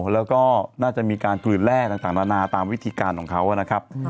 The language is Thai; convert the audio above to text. แล้วก็น่าจะมีการกลื่นแร่ต่างนานาตามวิธีการของเขานะครับ